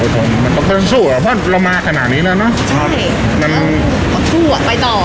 ใช่มันก็จะสู้อะเพราะเรามาขนาดนี้แล้วเนอะใช่มันก็คือไปต่อ